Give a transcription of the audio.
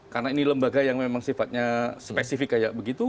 karena ini lembaga yang memang sifatnya spesifik kayak begitu